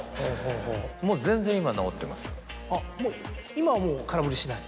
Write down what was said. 今はもう空振りしない？